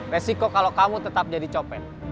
resiko kalau kamu tetap jadi copen